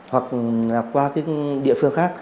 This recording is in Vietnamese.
hoặc qua địa phương khác